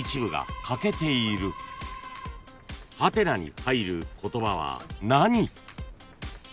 ［「？」に入る言葉は何？］